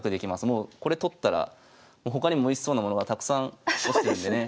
もうこれ取ったら他にもおいしそうなものがたくさん落ちてるんでね。